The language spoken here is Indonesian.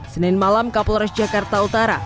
senin malam kapolres jakarta utara